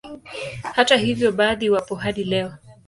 Hata hivyo baadhi wapo hadi leo